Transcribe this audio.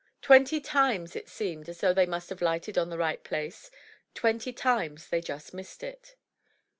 Twenty times it seemed as though they must have lighted on the right place. Twenty times they just missed it.